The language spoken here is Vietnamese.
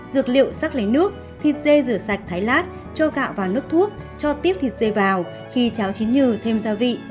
dược liệu xác lấy nước thịt dê rửa sạch thái lát cho gạo và nước thuốc cho tiếp thịt dê vào khi cháo chín nhừ thêm gia vị